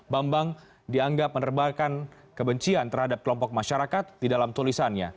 bambang dianggap menerbalkan kebencian terhadap kelompok masyarakat di dalam tulisannya